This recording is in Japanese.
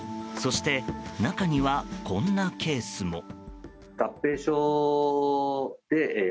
そして、中にはこんなケースも。